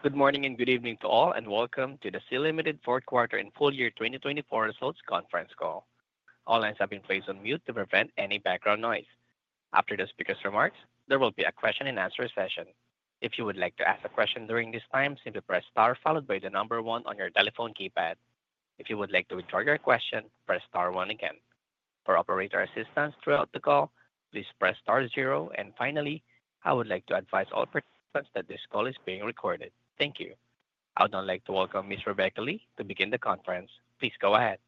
Good morning and good evening to all, and welcome to the Sea Limited Fourth Quarter and Full Year 2024 Results Conference Call. All lines have been placed on mute to prevent any background noise. After the speaker's remarks, there will be a question-and-answer session. If you would like to ask a question during this time, simply press star followed by the number one on your telephone keypad. If you would like to withdraw your question, press star one again. For operator assistance throughout the call, please press star zero. And finally, I would like to advise all participants that this call is being recorded. Thank you. I would now like to welcome Ms. Rebecca Lee to begin the conference. Please go ahead.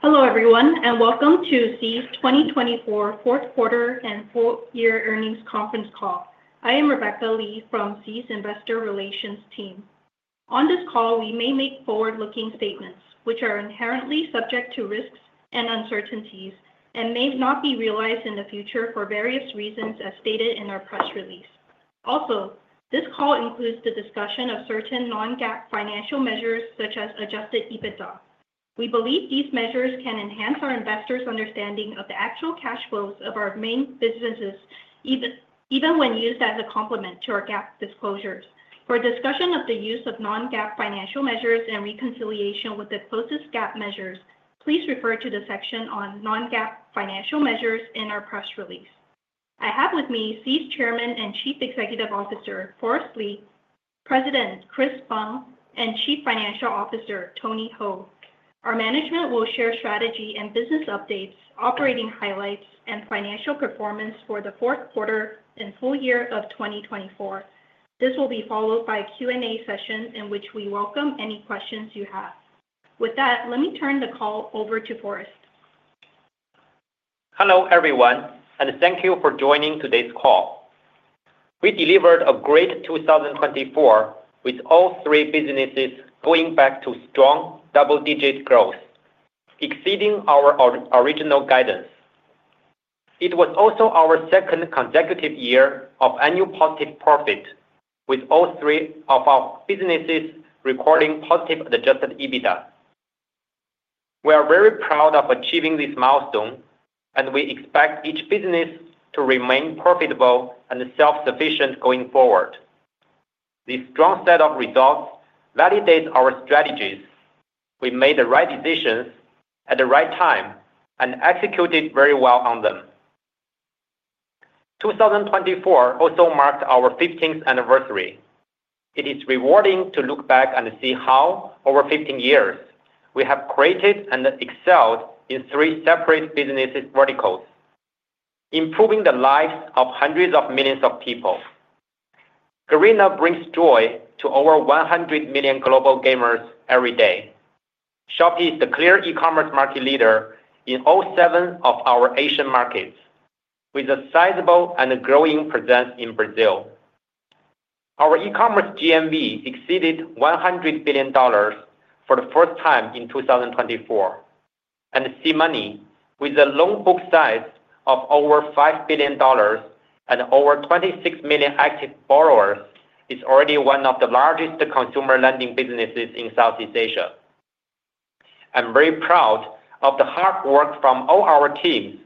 Hello everyone, and welcome to Sea's 2024 Fourth Quarter and Full Year Earnings Conference Call. I am Rebecca Lee from Sea's Investor Relations Team. On this call, we may make forward-looking statements, which are inherently subject to risks and uncertainties and may not be realized in the future for various reasons as stated in our press release. Also, this call includes the discussion of certain non-GAAP financial measures such as Adjusted EBITDA. We believe these measures can enhance our investors' understanding of the actual cash flows of our main businesses even when used as a complement to our GAAP disclosures. For discussion of the use of non-GAAP financial measures and reconciliation with the closest GAAP measures, please refer to the section on non-GAAP financial measures in our press release. I have with me Sea's Chairman and Chief Executive Officer Forrest Li, President Chris Feng, and Chief Financial Officer Tony Hou. Our management will share strategy and business updates, operating highlights, and financial performance for the fourth quarter and full year of 2024. This will be followed by a Q&A session in which we welcome any questions you have. With that, let me turn the call over to Forrest. Hello everyone, and thank you for joining today's call. We delivered a great 2024 with all three businesses going back to strong double-digit growth, exceeding our original guidance. It was also our second consecutive year of annual positive profit, with all three of our businesses recording positive Adjusted EBITDA. We are very proud of achieving this milestone, and we expect each business to remain profitable and self-sufficient going forward. This strong set of results validates our strategies. We made the right decisions at the right time and executed very well on them. 2024 also marked our 15th anniversary. It is rewarding to look back and see how, over 15 years, we have created and excelled in three separate business verticals, improving the lives of hundreds of millions of people. Garena brings joy to over 100 million global gamers every day. Shopee is the clear e-commerce market leader in all seven of our Asian markets, with a sizable and growing presence in Brazil. Our e-commerce GMV exceeded $100 billion for the first time in 2024, and SeaMoney, with a loan book size of over $5 billion and over 26 million active borrowers, is already one of the largest consumer lending businesses in Southeast Asia. I'm very proud of the hard work from all our teams,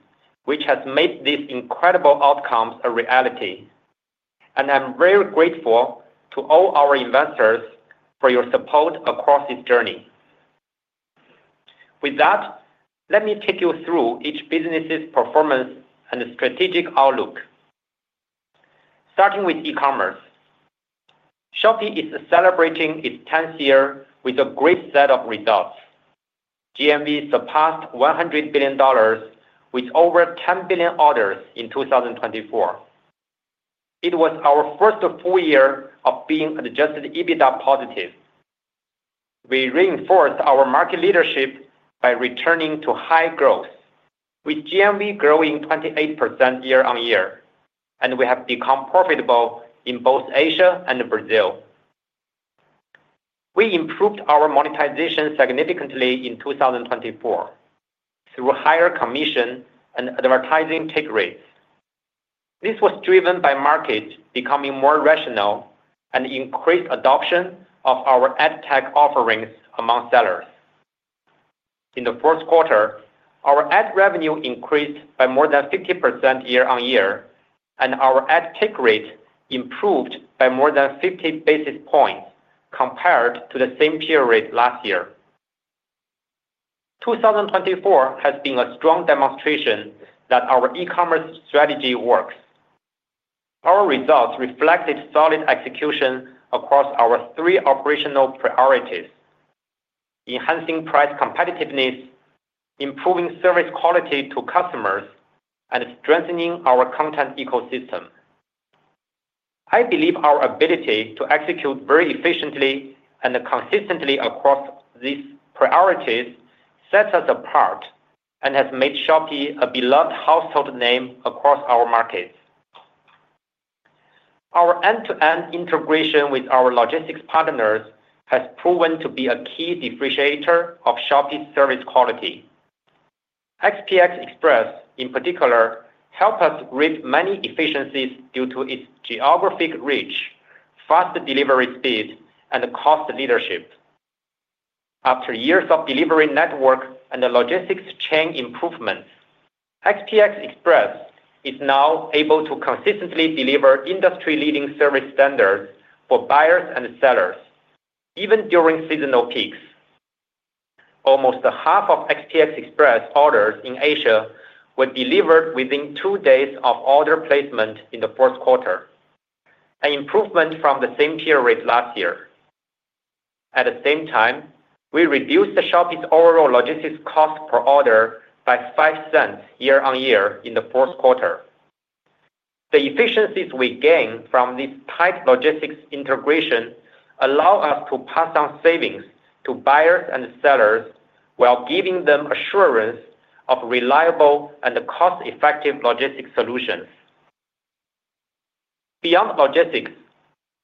which has made these incredible outcomes a reality, and I'm very grateful to all our investors for your support across this journey. With that, let me take you through each business's performance and strategic outlook. Starting with e-commerce, Shopee is celebrating its 10th year with a great set of results. GMV surpassed $100 billion, with over 10 billion orders in 2024. It was our first full year of being Adjusted EBITDA positive. We reinforced our market leadership by returning to high growth, with GMV growing 28% year-on-year, and we have become profitable in both Asia and Brazil. We improved our monetization significantly in 2024 through higher commission and advertising take rates. This was driven by markets becoming more rational and increased adoption of our ad tech offerings among sellers. In the fourth quarter, our ad revenue increased by more than 50% year-on-year, and our ad take rate improved by more than 50 basis points compared to the same period last year. 2024 has been a strong demonstration that our e-commerce strategy works. Our results reflected solid execution across our three operational priorities: enhancing price competitiveness, improving service quality to customers, and strengthening our content ecosystem. I believe our ability to execute very efficiently and consistently across these priorities sets us apart and has made Shopee a beloved household name across our markets. Our end-to-end integration with our logistics partners has proven to be a key differentiator of Shopee's service quality. SPX Express, in particular, helped us reap many efficiencies due to its geographic reach, fast delivery speed, and cost leadership. After years of delivery network and logistics chain improvements, SPX Express is now able to consistently deliver industry-leading service standards for buyers and sellers, even during seasonal peaks. Almost half of SPX Express orders in Asia were delivered within two days of order placement in the fourth quarter, an improvement from the same period last year. At the same time, we reduced Shopee's overall logistics cost per order by $0.05 year-on-year in the fourth quarter. The efficiencies we gained from this tight logistics integration allow us to pass on savings to buyers and sellers while giving them assurance of reliable and cost-effective logistics solutions. Beyond logistics,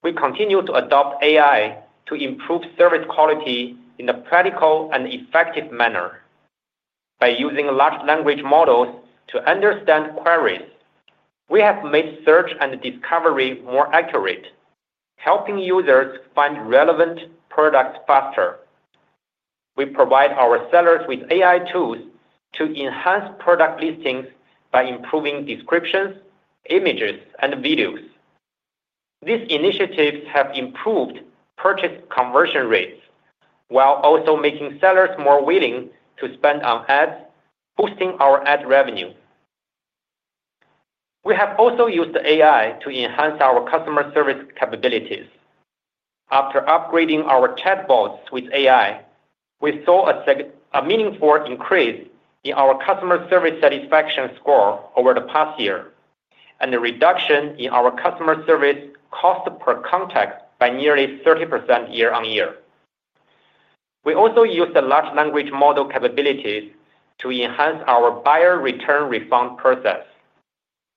we continue to adopt AI to improve service quality in a practical and effective manner. By using large language models to understand queries, we have made search and discovery more accurate, helping users find relevant products faster. We provide our sellers with AI tools to enhance product listings by improving descriptions, images, and videos. These initiatives have improved purchase conversion rates while also making sellers more willing to spend on ads, boosting our ad revenue. We have also used AI to enhance our customer service capabilities. After upgrading our chatbots with AI, we saw a meaningful increase in our customer service satisfaction score over the past year and a reduction in our customer service cost per contact by nearly 30% year-on-year. We also used large language model capabilities to enhance our buyer return refund process,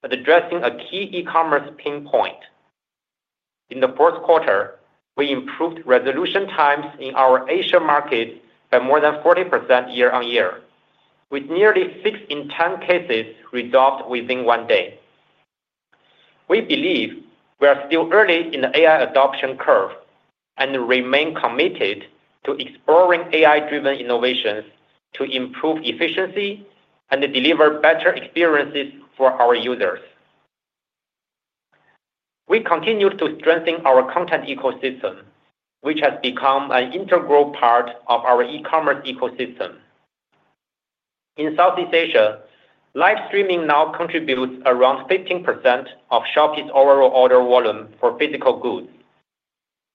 addressing a key e-commerce pain point. In the fourth quarter, we improved resolution times in our Asian markets by more than 40% year-on-year, with nearly six in 10 cases resolved within one day. We believe we are still early in the AI adoption curve and remain committed to exploring AI-driven innovations to improve efficiency and deliver better experiences for our users. We continue to strengthen our content ecosystem, which has become an integral part of our e-commerce ecosystem. In Southeast Asia, live streaming now contributes around 15% of Shopee's overall order volume for physical goods.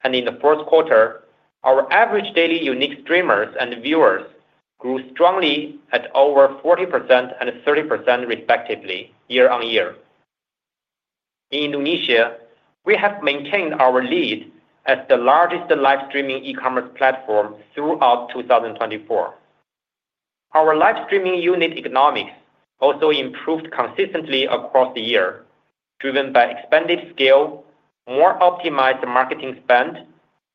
And in the fourth quarter, our average daily unique streamers and viewers grew strongly at over 40% and 30%, respectively, year-on-year. In Indonesia, we have maintained our lead as the largest live streaming e-commerce platform throughout 2024. Our live streaming unit economics also improved consistently across the year, driven by expanded scale, more optimized marketing spend,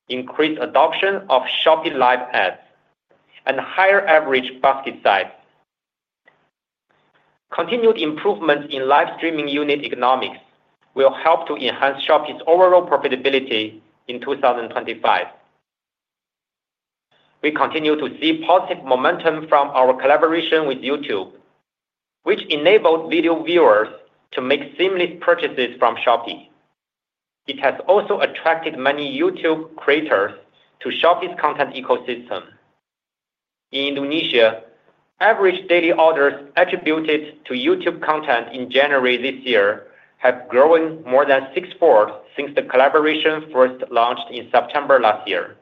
increased adoption of Shopee Live Ads, and higher average basket size. Continued improvements in live streaming unit economics will help to enhance Shopee's overall profitability in 2025. We continue to see positive momentum from our collaboration with YouTube, which enabled video viewers to make seamless purchases from Shopee. It has also attracted many YouTube creators to Shopee's content ecosystem. In Indonesia, average daily orders attributed to YouTube content in January this year have grown more than sixfold since the collaboration first launched in September last year.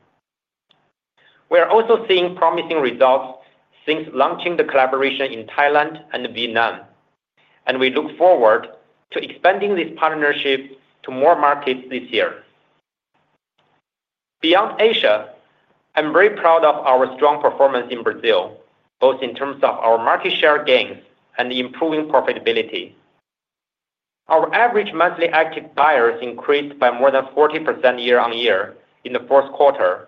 We are also seeing promising results since launching the collaboration in Thailand and Vietnam, and we look forward to expanding this partnership to more markets this year. Beyond Asia, I'm very proud of our strong performance in Brazil, both in terms of our market share gains and improving profitability. Our average monthly active buyers increased by more than 40% year-on-year in the fourth quarter,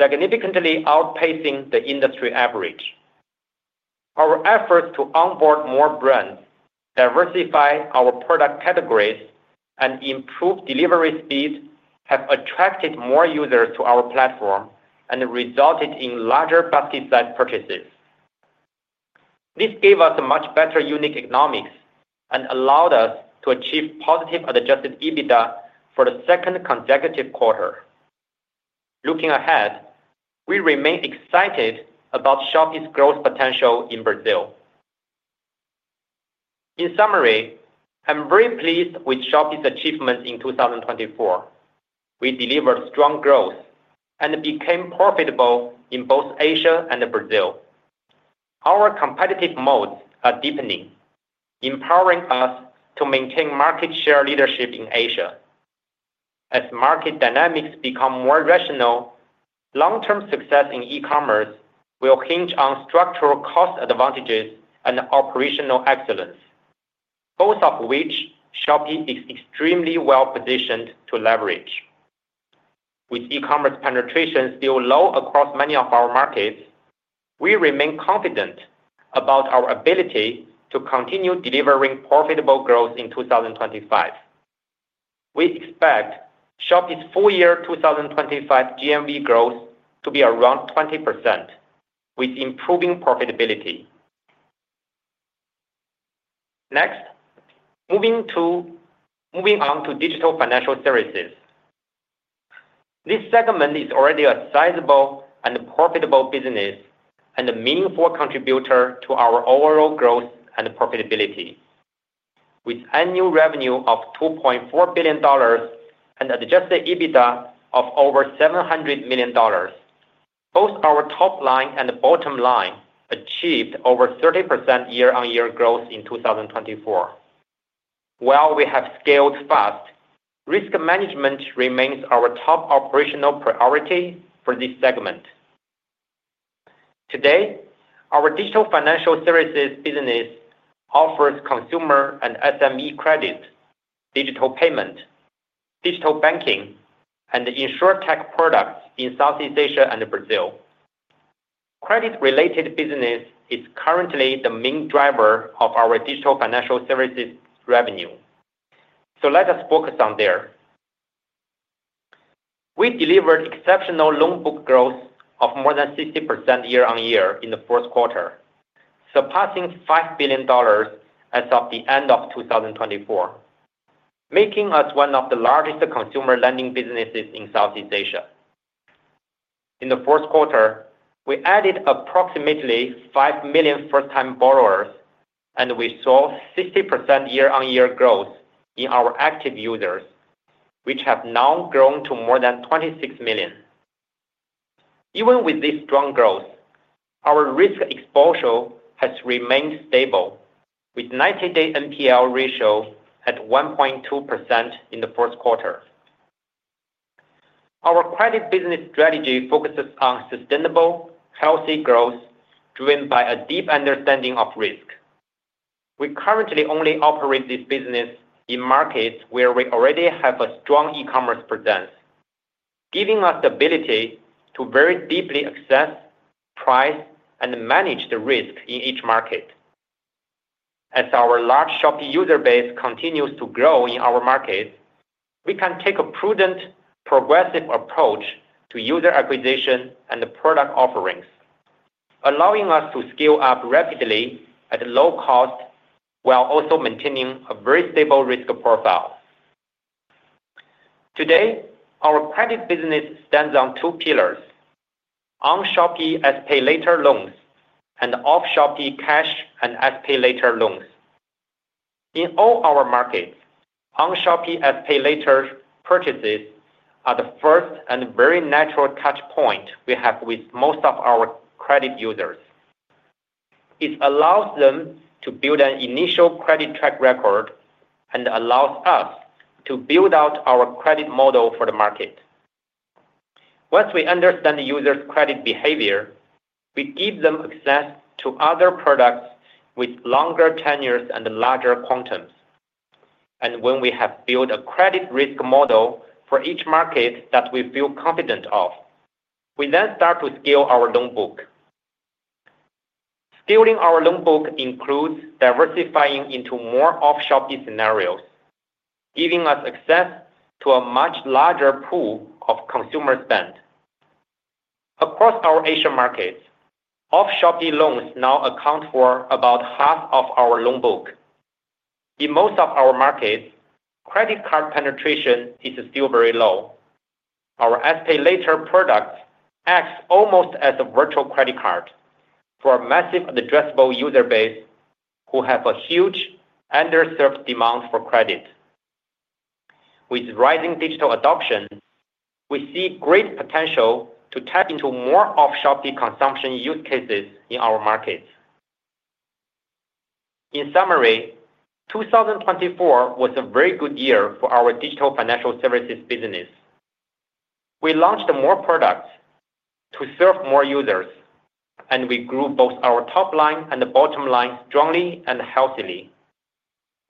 significantly outpacing the industry average. Our efforts to onboard more brands, diversify our product categories, and improve delivery speed have attracted more users to our platform and resulted in larger basket size purchases. This gave us a much better unique economics and allowed us to achieve positive Adjusted EBITDA for the second consecutive quarter. Looking ahead, we remain excited about Shopee's growth potential in Brazil. In summary, I'm very pleased with Shopee's achievements in 2024. We delivered strong growth and became profitable in both Asia and Brazil. Our competitive moats are deepening, empowering us to maintain market share leadership in Asia. As market dynamics become more rational, long-term success in e-commerce will hinge on structural cost advantages and operational excellence, both of which Shopee is extremely well-positioned to leverage. With e-commerce penetration still low across many of our markets, we remain confident about our ability to continue delivering profitable growth in 2025. We expect Shopee's full year 2025 GMV growth to be around 20%, with improving profitability. Next, moving on to digital financial services. This segment is already a sizable and profitable business and a meaningful contributor to our overall growth and profitability. With annual revenue of $2.4 billion and Adjusted EBITDA of over $700 million, both our top line and bottom line achieved over 30% year-on-year growth in 2024. While we have scaled fast, risk management remains our top operational priority for this segment. Today, our digital financial services business offers consumer and SME credit, digital payment, digital banking, and insurtech products in Southeast Asia and Brazil. Credit-related business is currently the main driver of our digital financial services revenue. So let us focus on there. We delivered exceptional loan book growth of more than 60% year-on-year in the fourth quarter, surpassing $5 billion as of the end of 2024, making us one of the largest consumer lending businesses in Southeast Asia. In the fourth quarter, we added approximately 5 million first-time borrowers, and we saw 60% year-on-year growth in our active users, which have now grown to more than 26 million. Even with this strong growth, our risk exposure has remained stable, with 90-day NPL ratio at 1.2% in the fourth quarter. Our credit business strategy focuses on sustainable, healthy growth driven by a deep understanding of risk. We currently only operate this business in markets where we already have a strong e-commerce presence, giving us the ability to very deeply assess, price, and manage the risk in each market. As our large Shopee user base continues to grow in our markets, we can take a prudent, progressive approach to user acquisition and product offerings, allowing us to scale up rapidly at low cost while also maintaining a very stable risk profile. Today, our credit business stands on two pillars: on Shopee SPayLater loans and off Shopee cash and SPayLater loans. In all our markets, on Shopee SPayLater purchases are the first and very natural touchpoint we have with most of our credit users. It allows them to build an initial credit track record and allows us to build out our credit model for the market. Once we understand the user's credit behavior, we give them access to other products with longer tenures and larger quantums. And when we have built a credit risk model for each market that we feel confident of, we then start to scale our loan book. Scaling our loan book includes diversifying into more off Shopee scenarios, giving us access to a much larger pool of consumer spend. Across our Asian markets, off Shopee loans now account for about half of our loan book. In most of our markets, credit card penetration is still very low. Our SPayLater product acts almost as a virtual credit card for a massive addressable user base who have a huge underserved demand for credit. With rising digital adoption, we see great potential to tap into more off Shopee consumption use cases in our markets. In summary, 2024 was a very good year for our digital financial services business. We launched more products to serve more users, and we grew both our top line and bottom line strongly and healthily.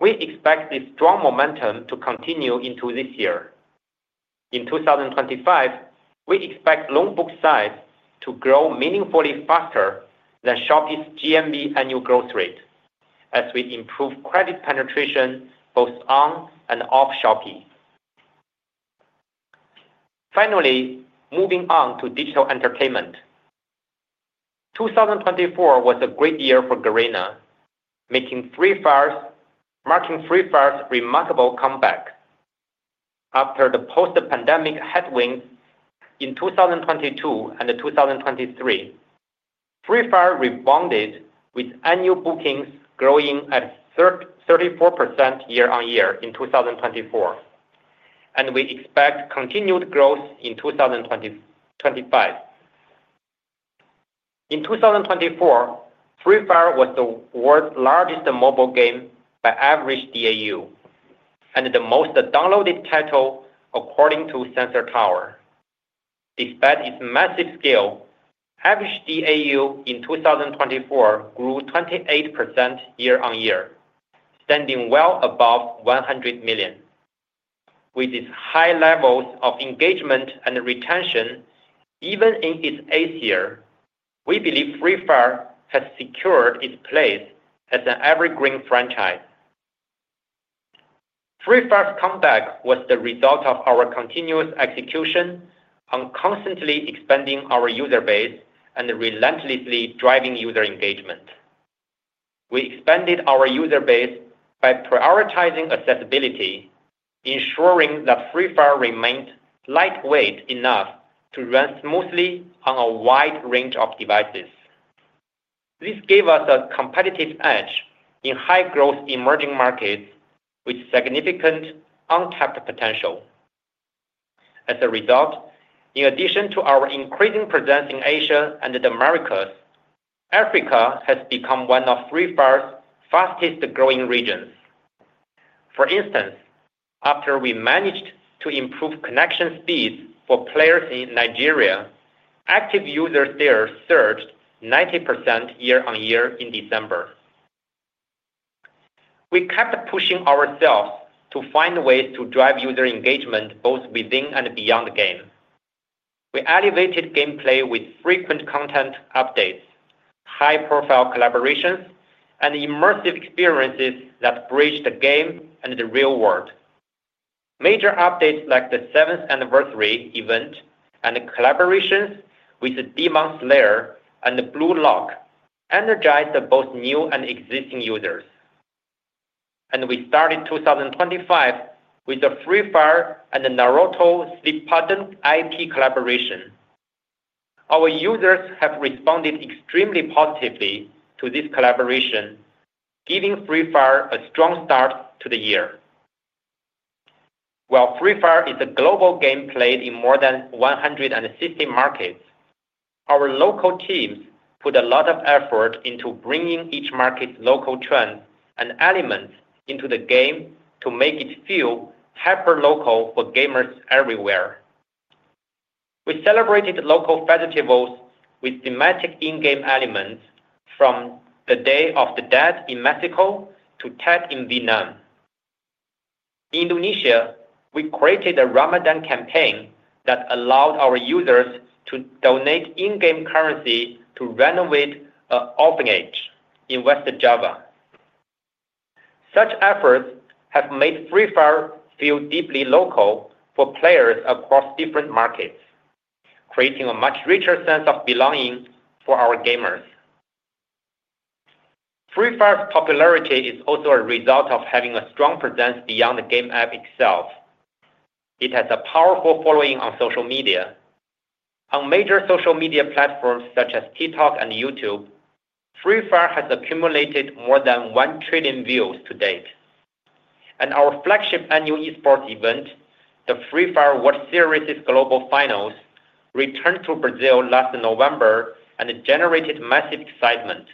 We expect this strong momentum to continue into this year. In 2025, we expect loan book size to grow meaningfully faster than Shopee's GMV annual growth rate as we improve credit penetration both on and off Shopee. Finally, moving on to digital entertainment. 2024 was a great year for Garena, making Free Fire's remarkable comeback. After the post-pandemic headwinds in 2022 and 2023, Free Fire rebounded with annual bookings growing at 34% year-on-year in 2024, and we expect continued growth in 2025. In 2024, Free Fire was the world's largest mobile game by average DAU and the most downloaded title according to Sensor Tower. Despite its massive scale, average DAU in 2024 grew 28% year-on-year, standing well above 100 million. With its high levels of engagement and retention, even in its eighth year, we believe Free Fire has secured its place as an evergreen franchise. Free Fire's comeback was the result of our continuous execution on constantly expanding our user base and relentlessly driving user engagement. We expanded our user base by prioritizing accessibility, ensuring that Free Fire remained lightweight enough to run smoothly on a wide range of devices. This gave us a competitive edge in high-growth emerging markets with significant untapped potential. As a result, in addition to our increasing presence in Asia and the Americas, Africa has become one of Free Fire's fastest-growing regions. For instance, after we managed to improve connection speeds for players in Nigeria, active users there surged 90% year-on-year in December. We kept pushing ourselves to find ways to drive user engagement both within and beyond the game. We elevated gameplay with frequent content updates, high-profile collaborations, and immersive experiences that bridged the game and the real world. Major updates like the seventh anniversary event and collaborations with Demon Slayer and Blue Lock energized both new and existing users, and we started 2025 with a Free Fire and Naruto Shippuden IP collaboration. Our users have responded extremely positively to this collaboration, giving Free Fire a strong start to the year. While Free Fire is a global game played in more than 160 markets, our local teams put a lot of effort into bringing each market's local trends and elements into the game to make it feel hyper-local for gamers everywhere. We celebrated local festivals with thematic in-game elements from the Day of the Dead in Mexico to Tet in Vietnam. In Indonesia, we created a Ramadan campaign that allowed our users to donate in-game currency to renovate an orphanage in West Java. Such efforts have made Free Fire feel deeply local for players across different markets, creating a much richer sense of belonging for our gamers. Free Fire's popularity is also a result of having a strong presence beyond the game app itself. It has a powerful following on social media. On major social media platforms such as TikTok and YouTube, Free Fire has accumulated more than 1 trillion views to date, and our flagship annual eSports event, the Free Fire World Series' Global Finals, returned to Brazil last November and generated massive excitement.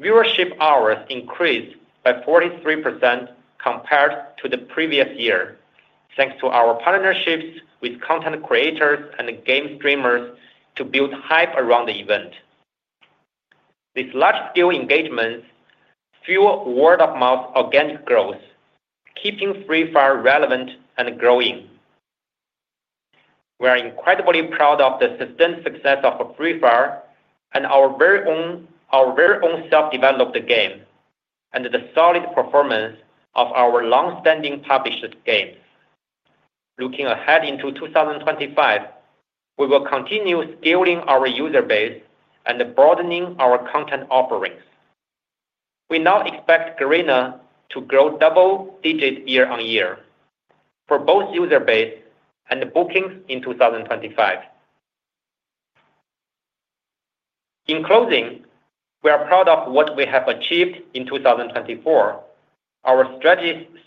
Viewership hours increased by 43% compared to the previous year, thanks to our partnerships with content creators and game streamers to build hype around the event. These large-scale engagements fuel word-of-mouth organic growth, keeping Free Fire relevant and growing. We are incredibly proud of the sustained success of Free Fire and our very own self-developed game, and the solid performance of our long-standing published games. Looking ahead into 2025, we will continue scaling our user base and broadening our content offerings. We now expect Garena to grow double-digit year-on-year for both user base and bookings in 2025. In closing, we are proud of what we have achieved in 2024. Our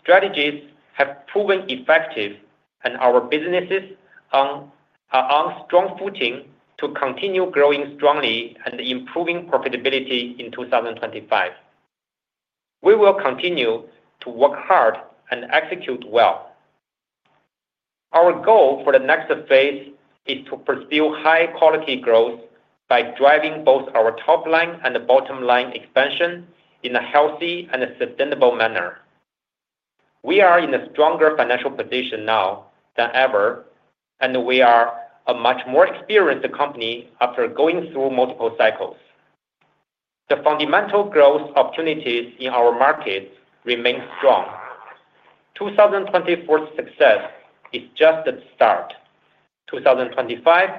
strategies have proven effective, and our businesses are on strong footing to continue growing strongly and improving profitability in 2025. We will continue to work hard and execute well. Our goal for the next phase is to pursue high-quality growth by driving both our top line and bottom line expansion in a healthy and sustainable manner. We are in a stronger financial position now than ever, and we are a much more experienced company after going through multiple cycles. The fundamental growth opportunities in our markets remain strong. 2024's success is just the start. 2025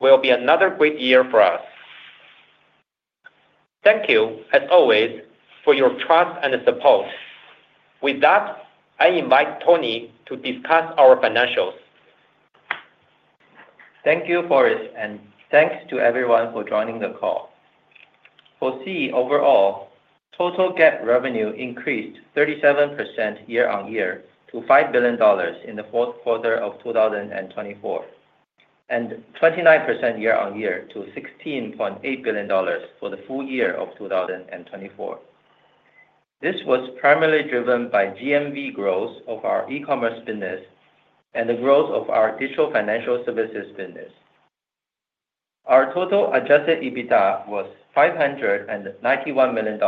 will be another great year for us. Thank you, as always, for your trust and support. With that, I invite Tony to discuss our financials. Thank you, Forrest, and thanks to everyone for joining the call. Sea overall, total GAAP revenue increased 37% year-on-year to $5 billion in the fourth quarter of 2024, and 29% year-on-year to $16.8 billion for the full year of 2024. This was primarily driven by GMV growth of our e-commerce business and the growth of our digital financial services business. Our total Adjusted EBITDA was $591 million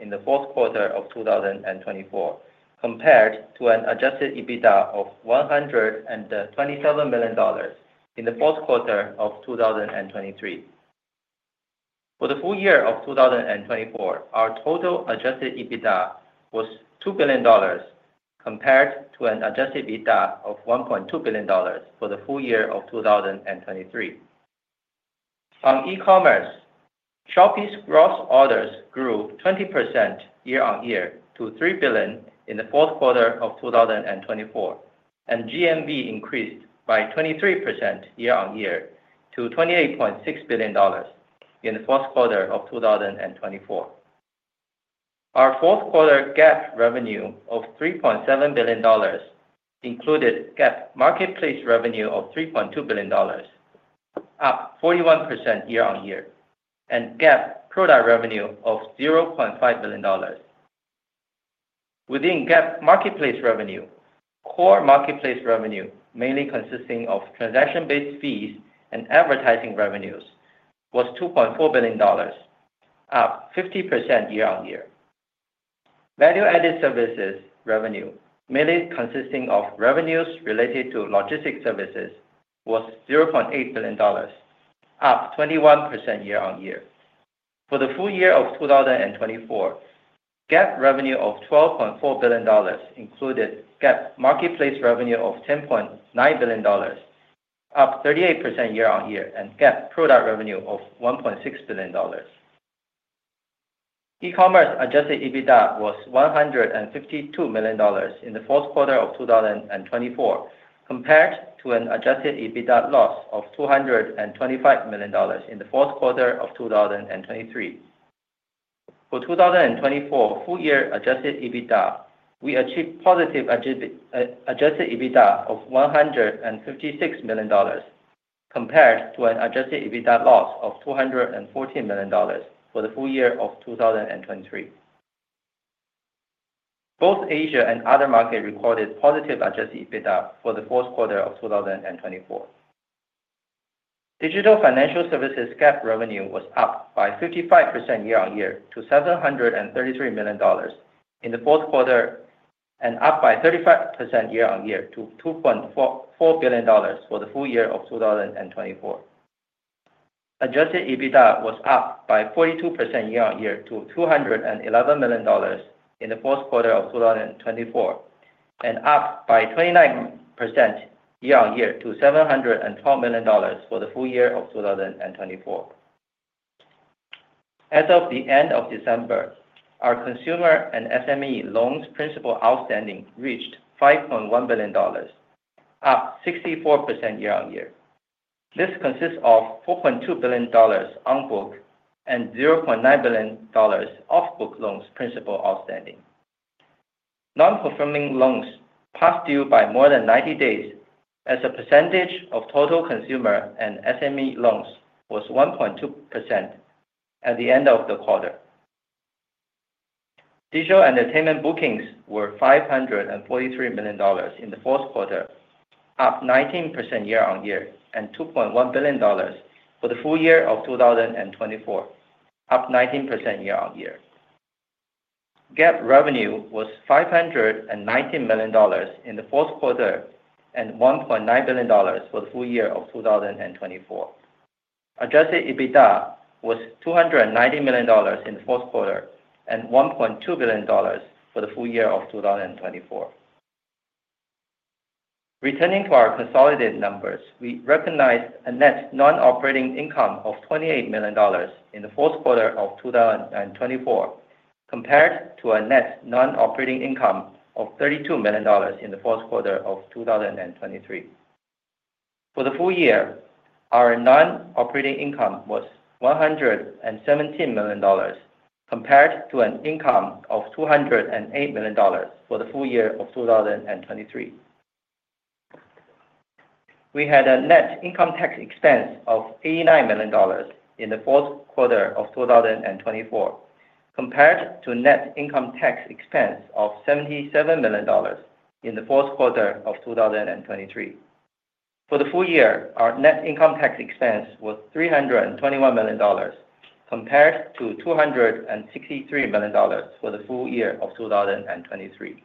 in the fourth quarter of 2024, compared to an Adjusted EBITDA of $127 million in the fourth quarter of 2023. For the full year of 2024, our total Adjusted EBITDA was $2 billion, compared to an Adjusted EBITDA of $1.2 billion for the full year of 2023. On e-commerce, Shopee's gross orders grew 20% year-on-year to $3 billion in the fourth quarter of 2024, and GMV increased by 23% year-on-year to $28.6 billion in the fourth quarter of 2024. Our fourth quarter GAAP revenue of $3.7 billion included GAAP marketplace revenue of $3.2 billion, up 41% year-on-year, and GAAP product revenue of $0.5 billion. Within GAAP marketplace revenue, core marketplace revenue, mainly consisting of transaction-based fees and advertising revenues, was $2.4 billion, up 50% year-on-year. Value-added services revenue, mainly consisting of revenues related to logistics services, was $0.8 billion, up 21% year-on-year. For the full year of 2024, GAAP revenue of $12.4 billion included GAAP marketplace revenue of $10.9 billion, up 38% year-on-year, and GAAP product revenue of $1.6 billion. E-commerce Adjusted EBITDA was $152 million in the fourth quarter of 2024, compared to an Adjusted EBITDA loss of $225 million in the fourth quarter of 2023. For 2024 full year Adjusted EBITDA, we achieved positive Adjusted EBITDA of $156 million, compared to an Adjusted EBITDA loss of $214 million for the full year of 2023. Both Asia and other markets recorded positive Adjusted EBITDA for the fourth quarter of 2024. Digital financial services GAAP revenue was up by 55% year-on-year to $733 million in the fourth quarter, and up by 35% year-on-year to $2.4 billion for the full year of 2024. Adjusted EBITDA was up by 42% year-on-year to $211 million in the fourth quarter of 2024, and up by 29% year-on-year to $712 million for the full year of 2024. As of the end of December, our consumer and SME loans principal outstanding reached $5.1 billion, up 64% year-on-year. This consists of $4.2 billion on book and $0.9 billion off book loans principal outstanding. Non-performing loans past due by more than 90 days, as a percentage of total consumer and SME loans was 1.2% at the end of the quarter. Digital entertainment bookings were $543 million in the fourth quarter, up 19% year-on-year, and $2.1 billion for the full year of 2024, up 19% year-on-year. GAAP revenue was $519 million in the fourth quarter and $1.9 billion for the full year of 2024. Adjusted EBITDA was $219 million in the fourth quarter and $1.2 billion for the full year of 2024. Returning to our consolidated numbers, we recognized a net non-operating income of $28 million in the fourth quarter of 2024, compared to a net non-operating income of $32 million in the fourth quarter of 2023. For the full year, our non-operating income was $117 million, compared to an income of $208 million for the full year of 2023. We had a net income tax expense of $89 million in the fourth quarter of 2024, compared to net income tax expense of $77 million in the fourth quarter of 2023. For the full year, our net income tax expense was $321 million, compared to $263 million for the full year of 2023.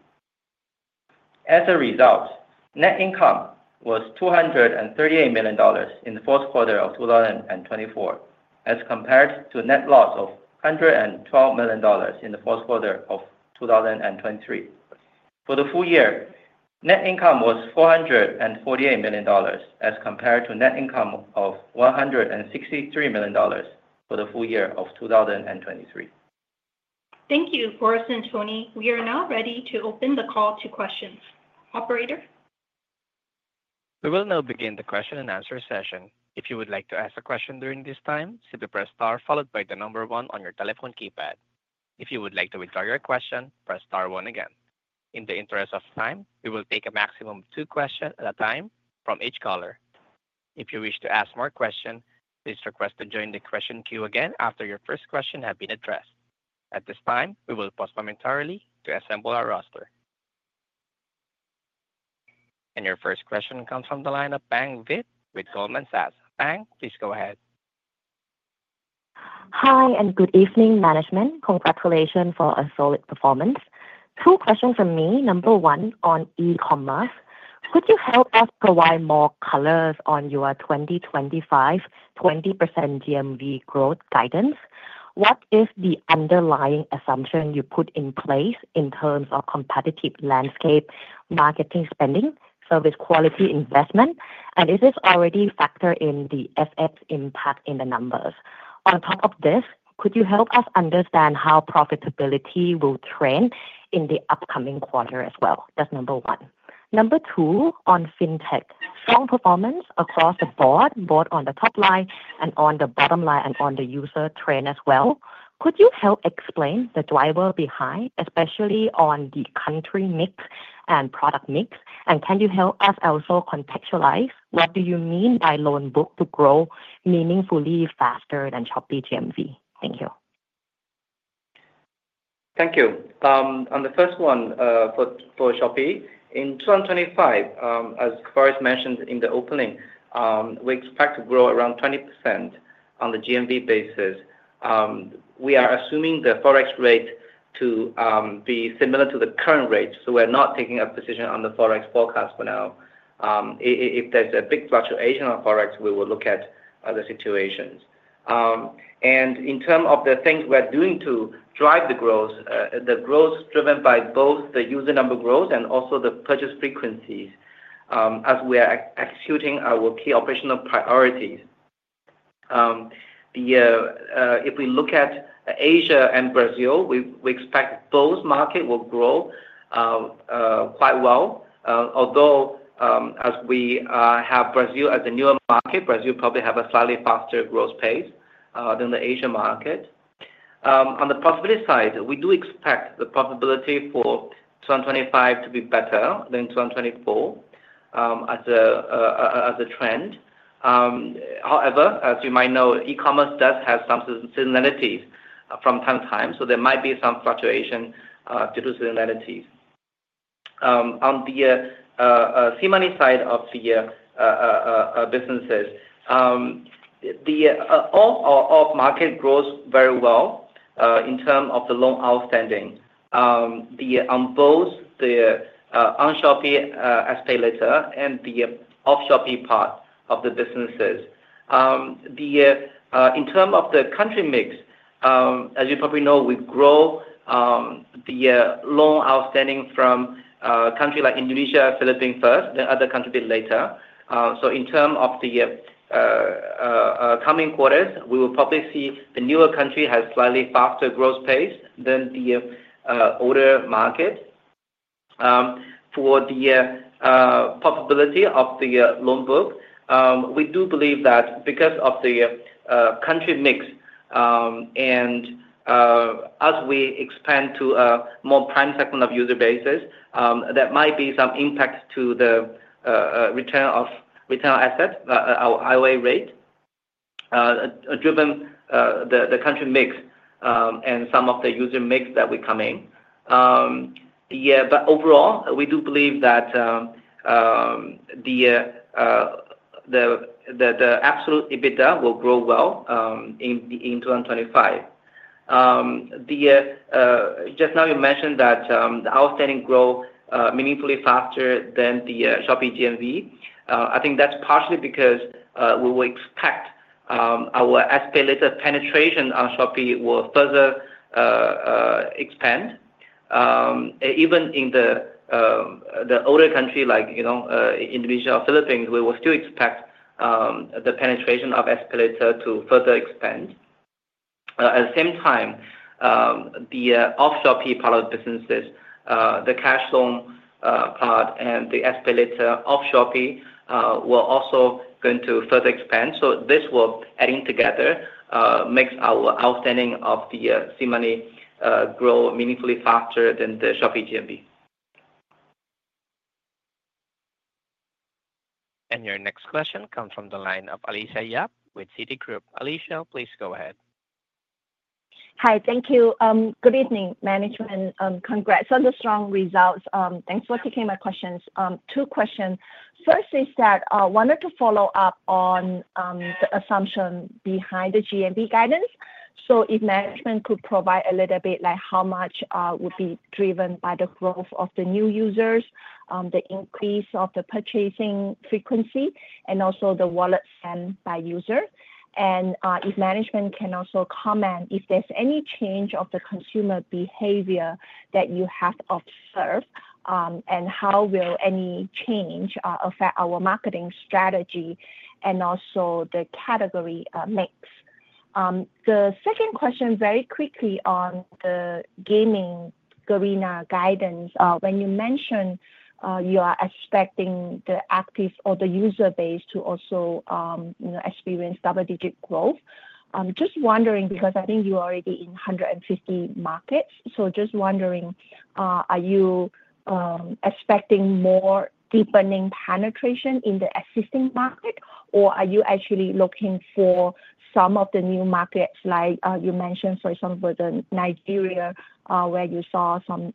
As a result, net income was $238 million in the fourth quarter of 2024, as compared to net loss of $112 million in the fourth quarter of 2023. For the full year, net income was $448 million, as compared to net income of $163 million for the full year of 2023. Thank you, Forrest and Tony. We are now ready to open the call to questions. Operator? We will now begin the question and answer session. If you would like to ask a question during this time, simply press star followed by the number one on your telephone keypad. If you would like to withdraw your question, press star one again. In the interest of time, we will take a maximum of two questions at a time from each caller. If you wish to ask more questions, please request to join the question queue again after your first question has been addressed. At this time, we will pause momentarily to assemble our roster. And your first question comes from the line of Pang Vitt with Goldman Sachs. Pang, please go ahead. Hi, and good evening, management. Congratulations for a solid performance. Two questions from me. Number one, on e-commerce. Could you help us provide more colors on your 2025 20% GMV growth guidance? What is the underlying assumption you put in place in terms of competitive landscape, marketing spending, service quality investment? And is this already factored in the FX impact in the numbers? On top of this, could you help us understand how profitability will trend in the upcoming quarter as well? That's number one. Number two, on fintech. Strong performance across the board, both on the top line and on the bottom line and on the user trend as well. Could you help explain the driver behind, especially on the country mix and product mix? And can you help us also contextualize what do you mean by loan book to grow meaningfully faster than Shopee GMV? Thank you. Thank you. On the first one for Shopee, in 2025, as Forrest mentioned in the opening, we expect to grow around 20% on the GMV basis. We are assuming the Forex rate to be similar to the current rate, so we're not taking a position on the Forex forecast for now. If there's a big fluctuation on Forex, we will look at other situations. In terms of the things we're doing to drive the growth, the growth driven by both the user number growth and also the purchase frequencies as we are executing our key operational priorities. If we look at Asia and Brazil, we expect both markets will grow quite well, although as we have Brazil as the newer market, Brazil probably has a slightly faster growth pace than the Asia market. On the profitability side, we do expect the profitability for 2025 to be better than 2024 as a trend. However, as you might know, e-commerce does have some seasonalities from time to time, so there might be some fluctuation due to seasonalities. On the SeaMoney side of the businesses, the overall market grows very well in terms of the loans outstanding on both the on Shopee ecosystem and the off Shopee part of the businesses. In terms of the country mix, as you probably know, we grow the loan outstanding from countries like Indonesia, Philippines first, then other countries later. So in terms of the coming quarters, we will probably see the newer country has slightly faster growth pace than the older market. For the profitability of the loan book, we do believe that because of the country mix and as we expand to a more prime segment of user bases, there might be some impact to the return on assets, our ROA rate, driven by the country mix and some of the user mix that will come in. But overall, we do believe that the absolute EBITDA will grow well in 2025. Just now you mentioned that the outstanding grow meaningfully faster than the Shopee GMV. I think that's partially because we will expect our SPayLater penetration on Shopee will further expand. Even in other countries like Indonesia or Philippines, we will still expect the penetration of SPayLater to further expand. At the same time, the off Shopee part of the businesses, the cash loan part and the SPayLater off Shopee will also going to further expand. So this will adding together makes our outstandings of the SeaMoney grow meaningfully faster than the Shopee GMV. And your next question comes from the line of Alicia Yap with Citigroup. Alicia, please go ahead. Hi, thank you. Good evening, management. Congrats on the strong results. Thanks for taking my questions. Two questions. First is that I wanted to follow up on the assumption behind the GMV guidance. So if management could provide a little bit like how much would be driven by the growth of the new users, the increase of the purchasing frequency, and also the wallet spend by user. And if management can also comment if there's any change of the consumer behavior that you have observed and how will any change affect our marketing strategy and also the category mix. The second question very quickly on the gaming Garena guidance. When you mentioned you are expecting the active or the user base to also experience double-digit growth. Just wondering because I think you are already in 150 markets. So just wondering, are you expecting more deepening penetration in the existing market, or are you actually looking for some of the new markets like you mentioned, for example, the Nigeria where you saw some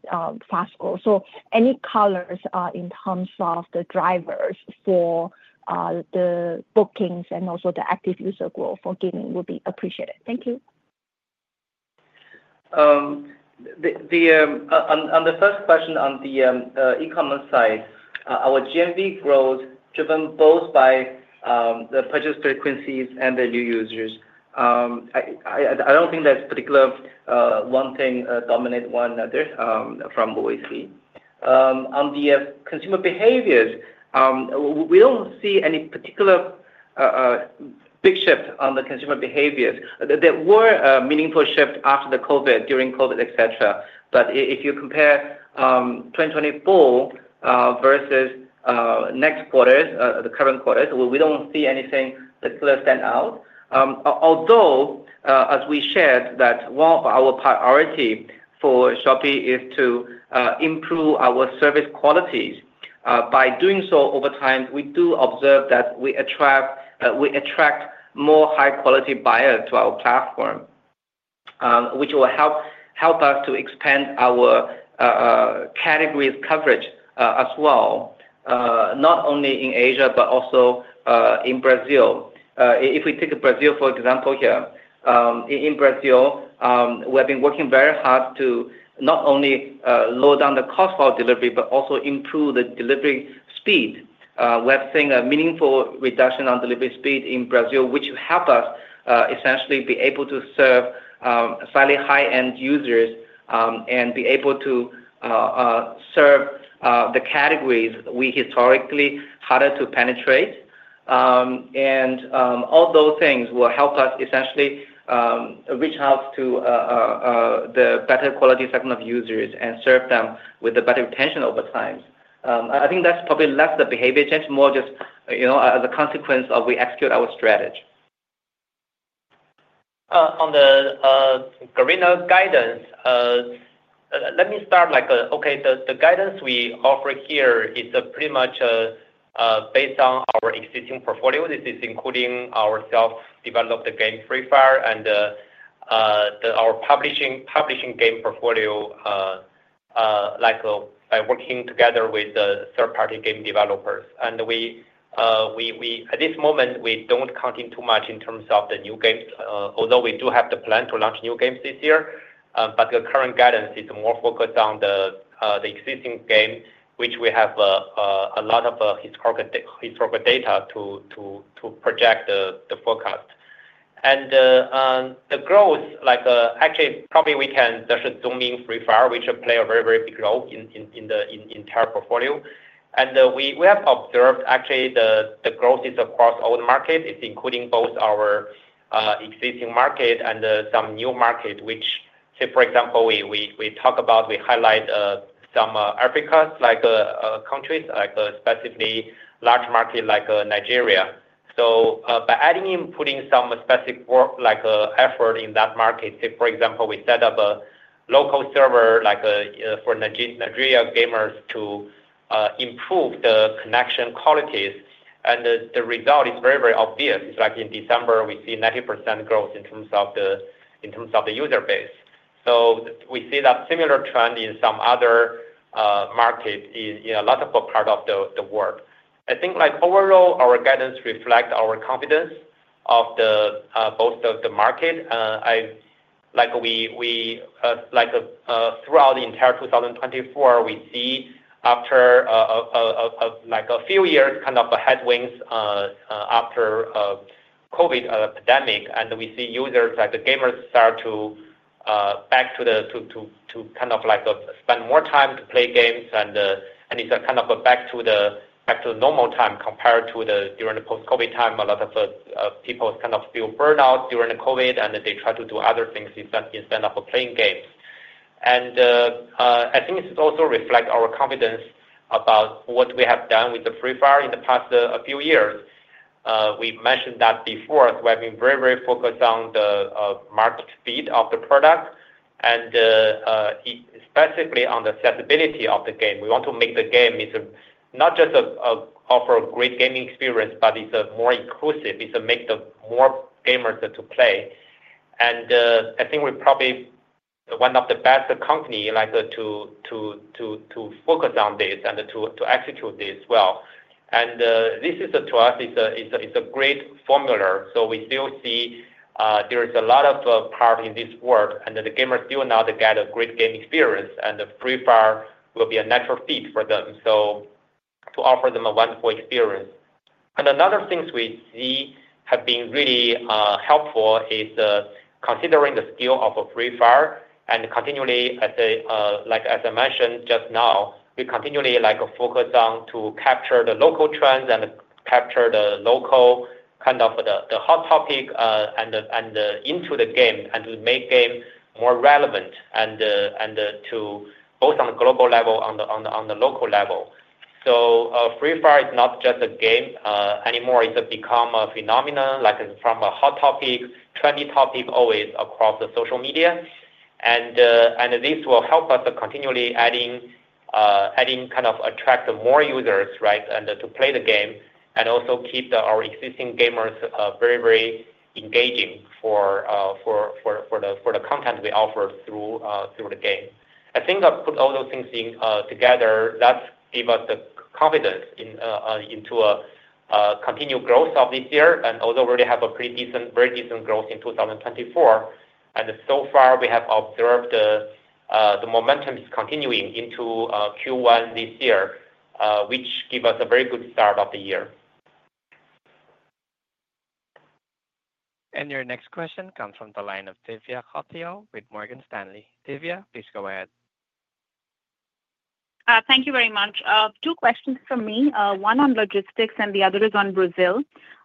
fast growth? So any colors in terms of the drivers for the bookings and also the active user growth for gaming would be appreciated. Thank you. On the first question on the e-commerce side, our GMV growth driven both by the purchase frequencies and the new users. I don't think there's particular one thing dominate one other from what we see. On the consumer behaviors, we don't see any particular big shift on the consumer behaviors. There were meaningful shifts after the COVID, during COVID, etc. But if you compare 2024 versus next quarters, the current quarters, we don't see anything particularly stand out. Although, as we shared, that one of our priorities for Shopee is to improve our service qualities. By doing so over time, we do observe that we attract more high-quality buyers to our platform, which will help us to expand our categories coverage as well, not only in Asia but also in Brazil. If we take Brazil, for example, here in Brazil, we have been working very hard to not only lower down the cost for our delivery but also improve the delivery speed. We have seen a meaningful reduction on delivery speed in Brazil, which helped us essentially be able to serve slightly high-end users and be able to serve the categories we historically had to penetrate. All those things will help us essentially reach out to the better quality segment of users and serve them with the better retention over time. I think that's probably less the behavior change, more just as a consequence of we execute our strategy. On the Garena guidance, let me start like, okay, the guidance we offer here is pretty much based on our existing portfolio. This is including our self-developed game profile and our publishing game portfolio by working together with third-party game developers. At this moment, we don't count in too much in terms of the new games, although we do have the plan to launch new games this year. The current guidance is more focused on the existing game, which we have a lot of historical data to project the forecast. The growth, actually, probably we can just zoom in Free Fire, which played a very, very big role in our portfolio. We have observed actually the growth is across all the markets. It's including both our existing market and some new markets, which, say, for example, we talk about, we highlight some Africa, like countries, like specifically large markets like Nigeria. By adding in, putting some specific work, like effort in that market, say, for example, we set up a local server for Nigeria gamers to improve the connection qualities. The result is very, very obvious. It's like in December, we see 90% growth in terms of the user base. We see that similar trend in some other markets in a lot of parts of the world. I think overall, our guidance reflects our confidence of both of the markets. Throughout the entire 2024, we see after a few years kind of a headwinds after COVID pandemic. We see users, like the gamers, start to back to kind of spend more time to play games. It's kind of back to the normal time compared to during the post-COVID time. A lot of people kind of feel burned out during COVID, and they try to do other things instead of playing games. I think this also reflects our confidence about what we have done with the Free Fire in the past few years. We mentioned that before. We have been very, very focused on the market fit of the product and specifically on the accessibility of the game. We want to make the game not just offer a great gaming experience, but it's more inclusive. It's to make more gamers to play. And I think we're probably one of the best companies to focus on this and to execute this well. And this is, to us, a great formula. So we still see there's a lot of power in this world, and the gamers still want to get a great game experience, and Free Fire will be a natural fit for them to offer them a wonderful experience. And another thing we've seen has been really helpful is considering the skill ceiling of Free Fire. Continually, as I mentioned just now, we continually focus on to capture the local trends and capture the local kind of the hot topic and into the game and to make game more relevant both on the global level and on the local level. Free Fire is not just a game anymore. It's become a phenomenon from a hot topic, trendy topic always across social media. This will help us continually adding kind of attract more users to play the game and also keep our existing gamers very, very engaging for the content we offer through the game. I think I've put all those things together that give us the confidence into a continued growth of this year. Although we already have a pretty decent, very decent growth in 2024, and so far we have observed the momentum is continuing into Q1 this year, which gives us a very good start of the year. Your next question comes from the line of Divya Kothiyal with Morgan Stanley. Divya, please go ahead. Thank you very much. Two questions for me. One on logistics and the other is on Brazil.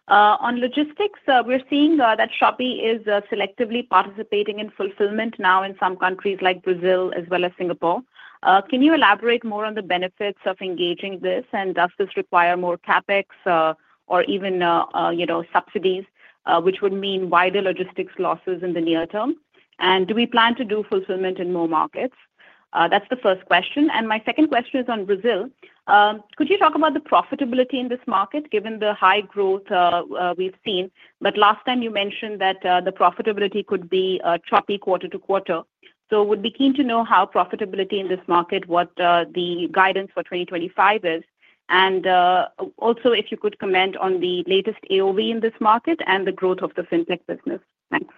On logistics, we're seeing that Shopee is selectively participating in fulfillment now in some countries like Brazil as well as Singapore. Can you elaborate more on the benefits of engaging this and does this require more CapEx or even subsidies, which would mean wider logistics losses in the near term? And do we plan to do fulfillment in more markets? That's the first question. And my second question is on Brazil. Could you talk about the profitability in this market given the high growth we've seen? But last time you mentioned that the profitability could be choppy quarter-to-quarter. So we'd be keen to know how profitability in this market, what the guidance for 2025 is, and also if you could comment on the latest AOV in this market and the growth of the FinTech business. Thanks.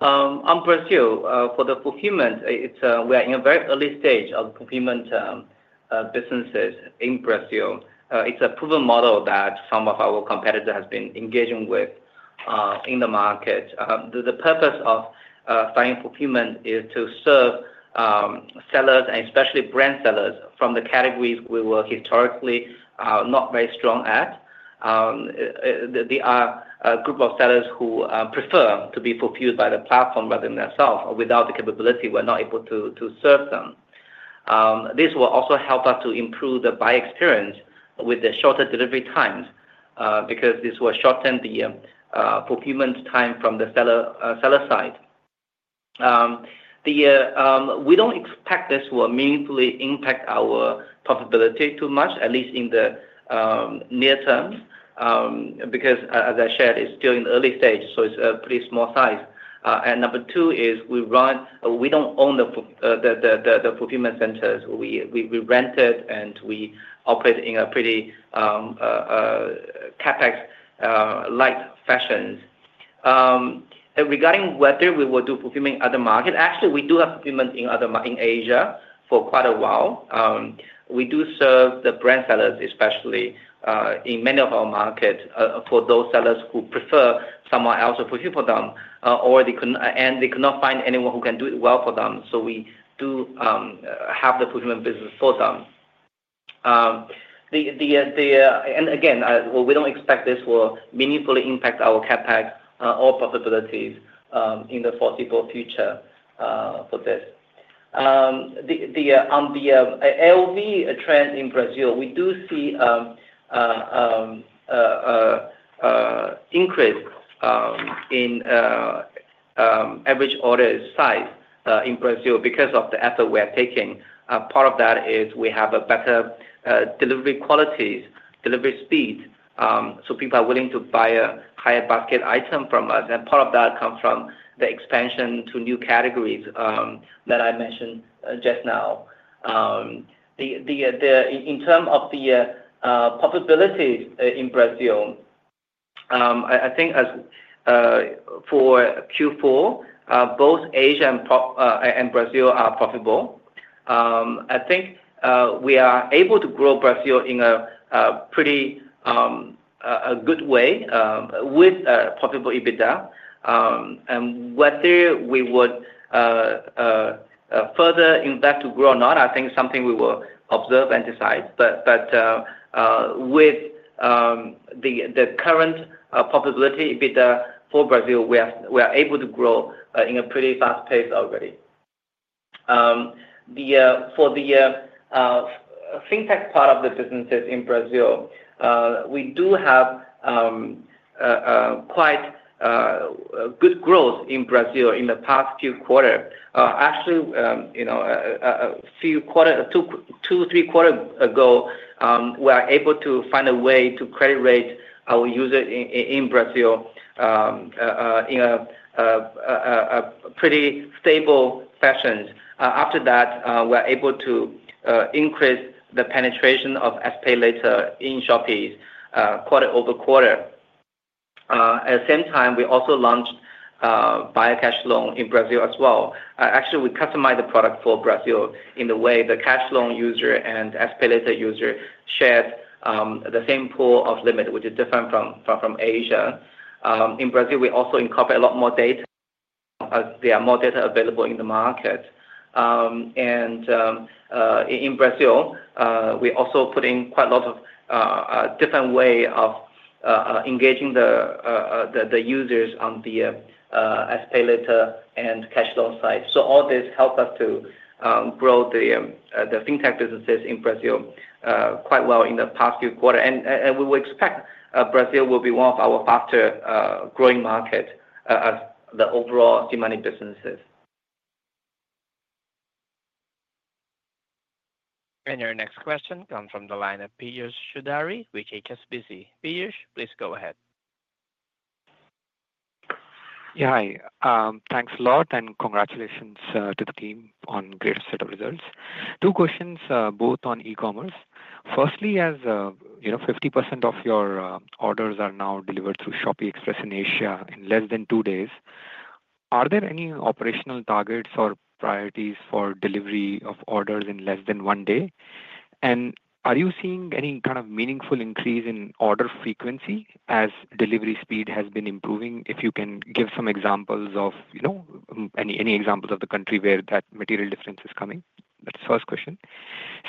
On Brazil, for the fulfillment, we are in a very early stage of fulfillment businesses in Brazil. It's a proven model that some of our competitors have been engaging with in the market. The purpose of finding fulfillment is to serve sellers and especially brand sellers from the categories we were historically not very strong at. There are a group of sellers who prefer to be fulfilled by the platform rather than themselves. Without the capability, we're not able to serve them. This will also help us to improve the buyer experience with the shorter delivery times because this will shorten the fulfillment time from the seller side. We don't expect this will meaningfully impact our profitability too much, at least in the near term, because as I shared, it's still in the early stage. So it's a pretty small size. And number two is we don't own the fulfillment centers. We rent it and we operate in a pretty CapEx-light fashion. Regarding whether we will do fulfillment in other markets, actually, we do have fulfillment in Asia for quite a while. We do serve the brand sellers, especially in many of our markets for those sellers who prefer someone else to fulfill for them, and they could not find anyone who can do it well for them. So we do have the fulfillment business for them. And again, we don't expect this will meaningfully impact our CapEx or profitability in the foreseeable future for this. On the AOV trend in Brazil, we do see an increase in average order size in Brazil because of the effort we are taking. Part of that is we have better delivery qualities, delivery speed. So people are willing to buy a higher basket item from us. And part of that comes from the expansion to new categories that I mentioned just now. In terms of the profitability in Brazil, I think for Q4, both Asia and Brazil are profitable. I think we are able to grow Brazil in a pretty good way with profitable EBITDA. And whether we would further invest to grow or not, I think something we will observe and decide. But with the current profitability EBITDA for Brazil, we are able to grow in a pretty fast pace already. For the FinTech part of the businesses in Brazil, we do have quite good growth in Brazil in the past few quarters. Actually, a few quarters, two or three quarters ago, we were able to find a way to credit rate our users in Brazil in a pretty stable fashion. After that, we were able to increase the penetration of SPayLater in Shopee quarter over quarter. At the same time, we also launched Buyer Cash Loan in Brazil as well. Actually, we customized the product for Brazil in the way the cash loan user and SPayLater user shared the same pool of limits, which is different from Asia. In Brazil, we also incorporate a lot more data. There are more data available in the market. In Brazil, we also put in quite a lot of different ways of engaging the users on the installment and cash loan side. So all this helped us to grow the FinTech businesses in Brazil quite well in the past few quarters. We would expect Brazil will be one of our faster growing markets as the overall C-money businesses. Your next question comes from the line of Piyush Choudhary, HSBC. Piyush, please go ahead. Yeah. Hi. Thanks a lot, and congratulations to the team on great set of results. Two questions, both on e-commerce. Firstly, as 50% of your orders are now delivered through Shopee Express in Asia in less than two days, are there any operational targets or priorities for delivery of orders in less than one day? Are you seeing any kind of meaningful increase in order frequency as delivery speed has been improving? If you can give some examples of any examples of the country where that material difference is coming. That's the first question.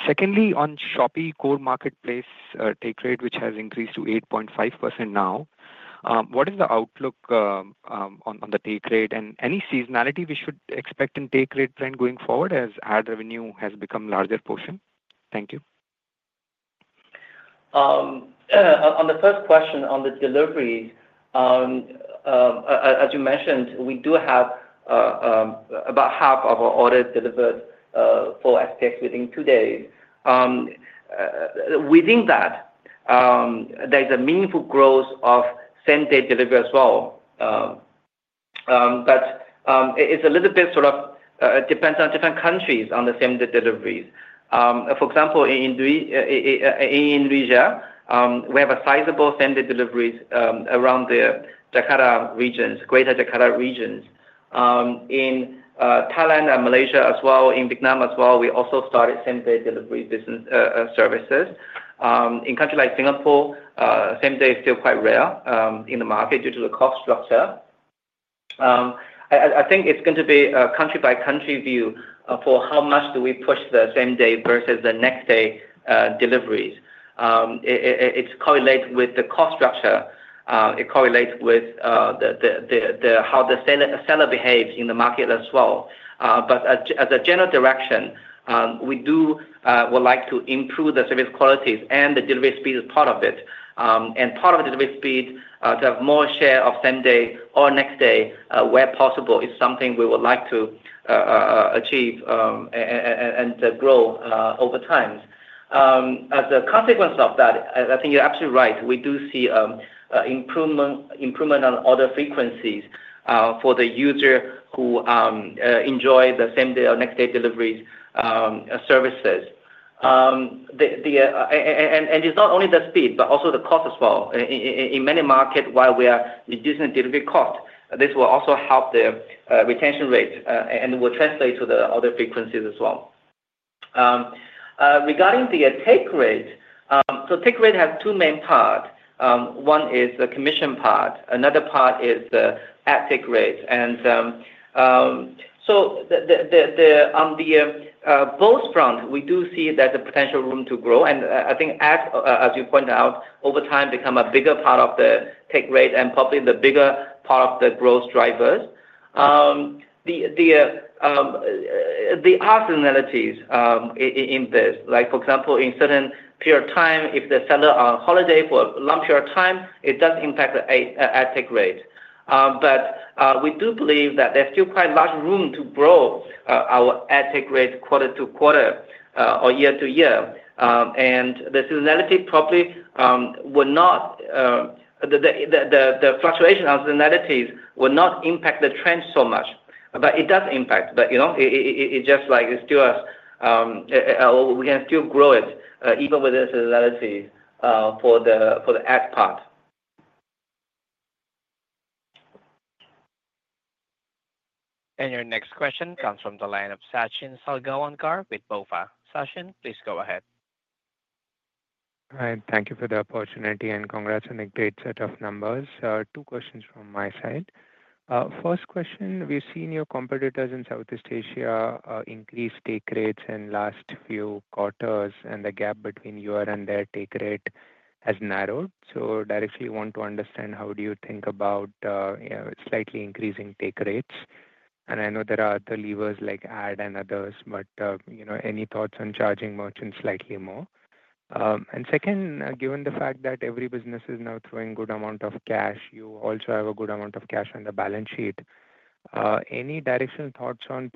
Secondly, on Shopee Core Marketplace take rate, which has increased to 8.5% now, what is the outlook on the take rate and any seasonality we should expect in take rate trend going forward as ad revenue has become a larger portion? Thank you. On the first question on the delivery, as you mentioned, we do have about half of our orders delivered for SPX within two days. Within that, there's a meaningful growth of same-day delivery as well. But it's a little bit sort of depends on different countries on the same-day deliveries. For example, in Indonesia, we have a sizable same-day deliveries around the Jakarta regions, Greater Jakarta regions. In Thailand and Malaysia as well, in Vietnam as well, we also started same-day delivery services. In countries like Singapore, same-day is still quite rare in the market due to the cost structure. I think it's going to be a country-by-country view for how much do we push the same-day versus the next-day deliveries. It's correlated with the cost structure. It correlates with how the seller behaves in the market as well. But as a general direction, we do like to improve the service qualities and the delivery speed as part of it. And part of the delivery speed to have more share of same-day or next-day where possible is something we would like to achieve and grow over time. As a consequence of that, I think you're absolutely right. We do see improvement on order frequencies for the user who enjoy the same-day or next-day deliveries services. It's not only the speed, but also the cost as well. In many markets, while we are reducing the delivery cost, this will also help the retention rate and will translate to the order frequencies as well. Regarding the take rate, so take rate has two main parts. One is the commission part. Another part is the ad take rate. And so on both fronts, we do see there's a potential room to grow. And I think ads, as you pointed out, over time become a bigger part of the take rate and probably the bigger part of the growth drivers. The seasonalities in this, like for example, in certain period of time, if the sellers are on holiday for a long period of time, it does impact the ad take rate. But we do believe that there's still quite large room to grow our ad take rate quarter to quarter or year to year. And the seasonality probably will not, the fluctuation of seasonalities will not impact the trend so much. But it does impact. But it's just like we can still grow it even with the seasonalities for the ad part. And your next question comes from the line of Sachin Salgaonkar with BofA. Sachin, please go ahead. All right. Thank you for the opportunity and congrats on a great set of numbers. Two questions from my side. First question, we've seen your competitors in Southeast Asia increase take rates in last few quarters, and the gap between your and their take rate has narrowed. So I actually want to understand how do you think about slightly increasing take rates. I know there are other levers like ad and others, but any thoughts on charging merchants slightly more? And second, given the fact that every business is now burning a good amount of cash, you also have a good amount of cash on the balance sheet. Any directional thoughts on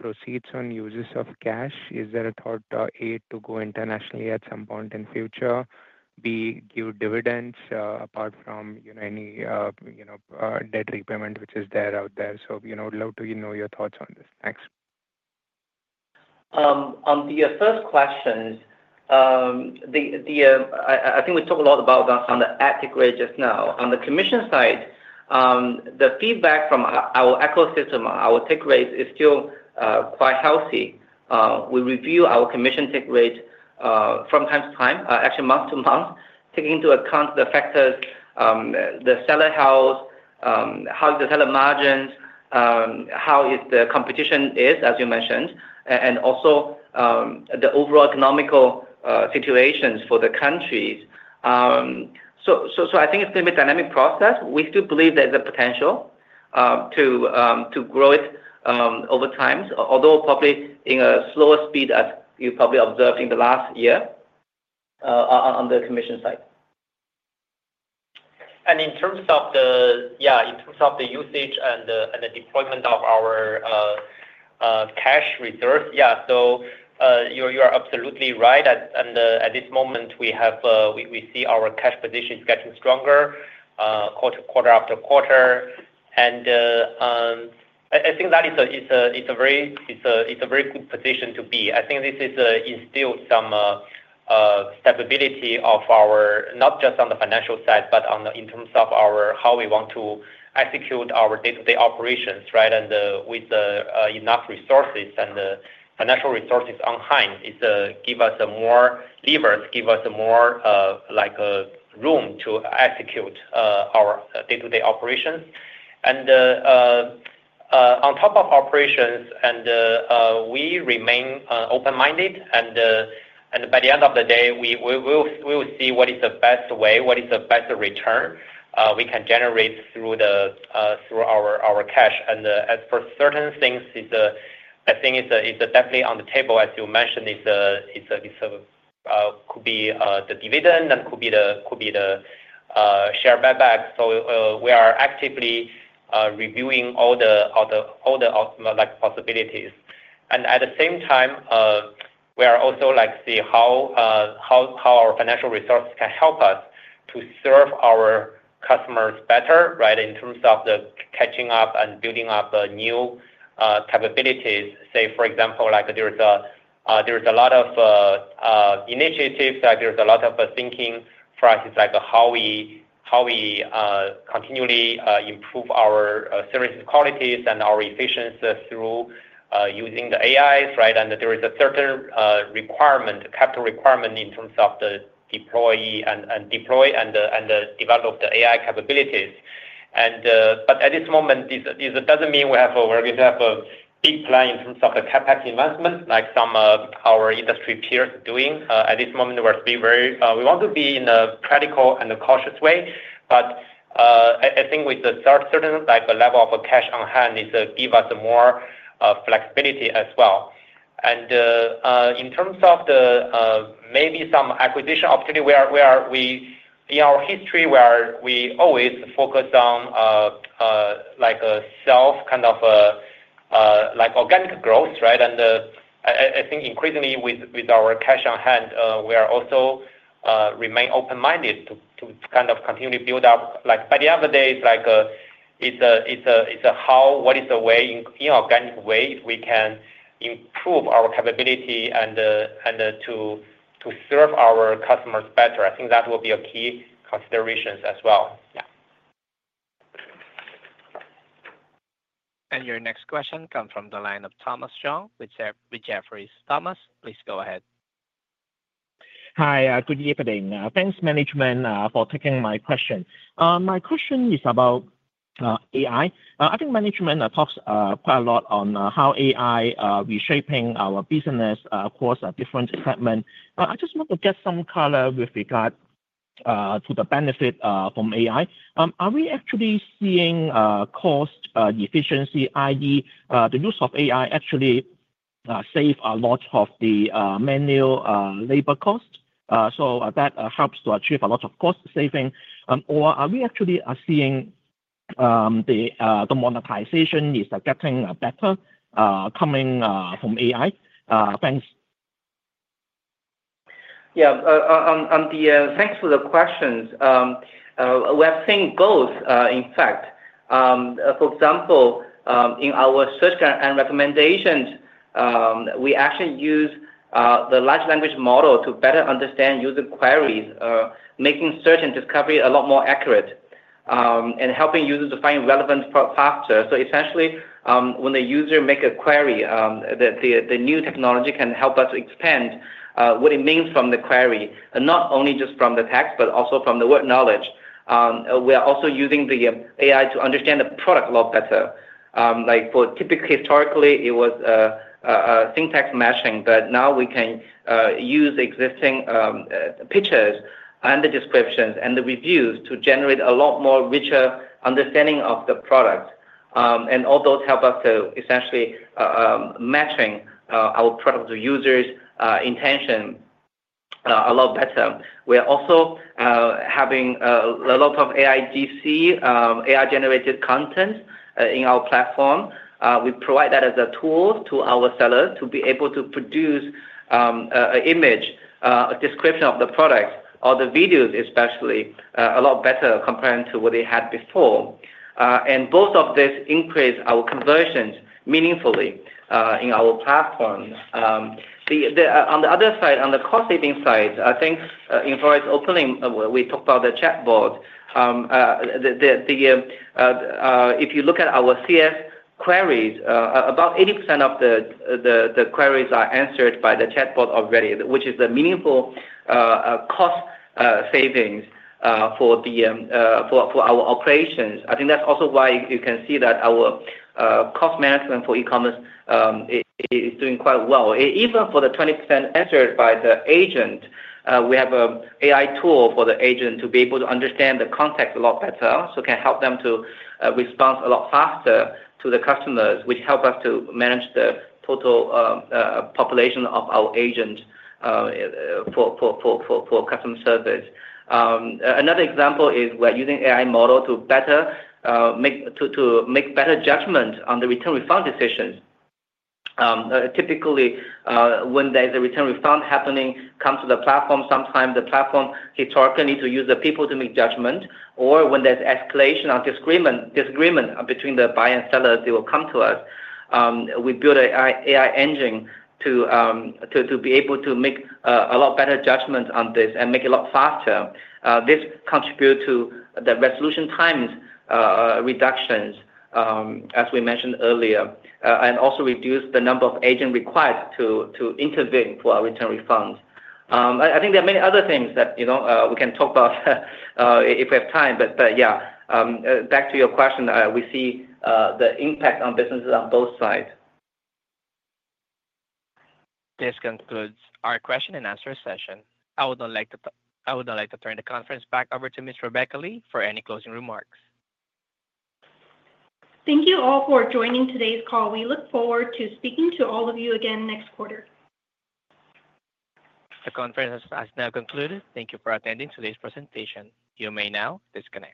use of cash? Is there a thought to M&A to go internationally at some point in future? Give dividends apart from any debt repayment which is out there. So I'd love to know your thoughts on this. Thanks. On the first question, I think we talked a lot about the ad take rate just now. On the commission side, the feedback from our ecosystem, our take rate, is still quite healthy. We review our commission take rate from time to time, actually month to month, taking into account the factors, the seller health, how the seller margins, how the competition is, as you mentioned, and also the overall economic situations for the countries, so I think it's going to be a dynamic process. We still believe there's a potential to grow it over time, although probably in a slower speed as you probably observed in the last year on the commission side, and in terms of the yeah, in terms of the usage and the deployment of our cash reserves, yeah, so you are absolutely right. At this moment, we see our cash position is getting stronger quarter-after-quarter, and I think that is a very good position to be. I think this has instilled some stability of our not just on the financial side, but in terms of how we want to execute our day-to-day operations, right, and with enough resources and financial resources on hand, it gives us more levers, gives us more room to execute our day-to-day operations, and on top of operations, we remain open-minded, and by the end of the day, we will see what is the best way, what is the best return we can generate through our cash, and as for certain things, I think it's definitely on the table, as you mentioned, it could be the dividend and could be the share buyback, so we are actively reviewing all the possibilities. At the same time, we are also seeing how our financial resources can help us to serve our customers better, right, in terms of catching up and building up new capabilities. Say, for example, there's a lot of initiatives, there's a lot of thinking for us, like how we continually improve our service qualities and our efficiency through using the AIs, right? There is a certain capital requirement in terms of the deploy and develop the AI capabilities. At this moment, it doesn't mean we're going to have a big plan in terms of the CapEx investment like some of our industry peers are doing. At this moment, we want to be in a practical and a cautious way. I think with a certain level of cash on hand, it gives us more flexibility as well. In terms of maybe some acquisition opportunity, in our history, we always focus on self-kind of organic growth, right? And I think increasingly with our cash on hand, we also remain open-minded to kind of continue to build up. By the end of the day, it's a how, what is the way, in an organic way, we can improve our capability and to serve our customers better. I think that will be a key consideration as well. Yeah. And your next question comes from the line of Thomas Chong with Jefferies. Thomas. Please go ahead. Hi. Good evening. Thanks, Management, for taking my question. My question is about AI. I think Management talks quite a lot on how AI is reshaping our business across different segments. I just want to get some color with regard to the benefit from AI. Are we actually seeing cost efficiency, i.e., the use of AI actually save a lot of the manual labor cost? So that helps to achieve a lot of cost saving. Or are we actually seeing the monetization is getting better coming from AI? Thanks. Yeah. Thanks for the questions. We have seen both, in fact. For example, in our search and recommendations, we actually use the large language model to better understand user queries, making search and discovery a lot more accurate and helping users to find relevance faster. So essentially, when the user makes a query, the new technology can help us expand what it means from the query, not only just from the text, but also from the world knowledge. We are also using the AI to understand the product a lot better. Typically, historically, it was syntax matching, but now we can use existing pictures and the descriptions and the reviews to generate a lot more richer understanding of the product. And all those help us to essentially match our product to users' intention a lot better. We are also having a lot of AIGC, AI-generated content in our platform. We provide that as a tool to our sellers to be able to produce an image, a description of the product, or the videos, especially, a lot better compared to what they had before. And both of these increase our conversions meaningfully in our platform. On the other side, on the cost-saving side, I think in regards to opening, we talked about the chatbot. If you look at our CS queries, about 80% of the queries are answered by the chatbot already, which is a meaningful cost savings for our operations. I think that's also why you can see that our cost management for e-commerce is doing quite well, even for the 20%. Answered by the agent. We have an AI tool for the agent to be able to understand the context a lot better, so it can help them to respond a lot faster to the customers, which helps us to manage the total population of our agents for customer service. Another example is we're using AI models to make better judgments on the return refund decisions. Typically, when there's a return refund happening, it comes to the platform. Sometimes the platform historically needs to use the people to make judgments. Or when there's escalation or disagreement between the buyer and seller, they will come to us. We build an AI engine to be able to make a lot better judgments on this and make it a lot faster. This contributes to the resolution time reductions, as we mentioned earlier, and also reduces the number of agents required to intervene for our return refunds. I think there are many other things that we can talk about if we have time. But yeah, back to your question, we see the impact on businesses on both sides. This concludes our question and answer session. I would now like to turn the conference back over to Ms. Rebecca Lee for any closing remarks. Thank you all for joining today's call. We look forward to speaking to all of you again next quarter. The conference has now concluded. Thank you for attending today's presentation. You may now disconnect.